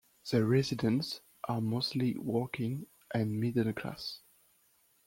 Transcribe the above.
The residents are mostly working and middle-class.